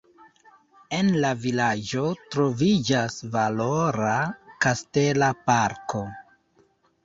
En la vilaĝo troviĝas valora kastela parko.